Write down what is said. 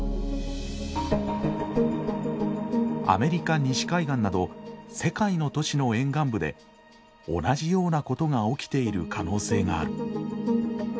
アメリカ西海岸など世界の都市の沿岸部で同じようなことが起きている可能性がある。